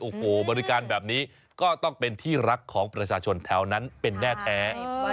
โอ้โหบริการแบบนี้ก็ต้องเป็นที่รักของประชาชนแถวนั้นเป็นแน่แท้